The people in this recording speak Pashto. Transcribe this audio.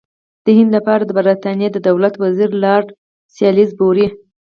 د هند لپاره د برټانیې د دولت وزیر لارډ سالیزبوري.